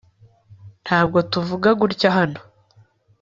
ntabwo tuvuga gutya hano